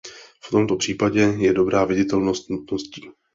V tomto případě je dobrá viditelnost nutností.